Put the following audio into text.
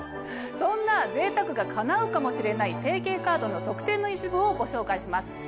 そんな贅沢がかなうかもしれない提携カードの特典の一部をご紹介します。